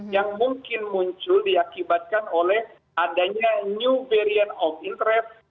yang mungkin muncul diakibatkan oleh adanya new variant of interest